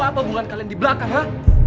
apa hubungan kalian di belakang ha